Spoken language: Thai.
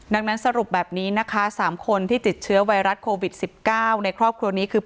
ดังนั้นสรุปแบบนี้นะคะ๓คนที่ติดเชื้อไวรัสโควิด๑๙ในครอบครัวนี้คือ